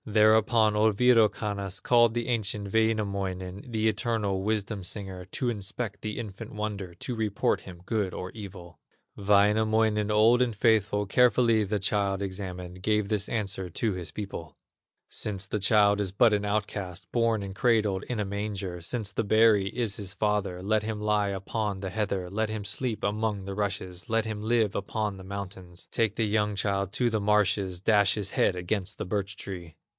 Thereupon old Wirokannas Called the ancient Wainamoinen, The eternal wisdom singer, To inspect the infant wonder, To report him good or evil. Wainamoinen, old and faithful, Carefully the child examined, Gave this answer to his people: "Since the child is but an outcast, Born and cradled in a manger, Since the berry is his father; Let him lie upon the heather, Let him sleep among the rushes, Let him live upon the mountains; Take the young child to the marshes, Dash his head against the birch tree."